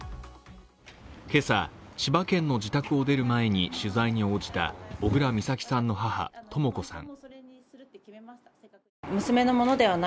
今朝、千葉県の自宅を出る前に取材に応じた小倉美咲さんの母・とも子さん。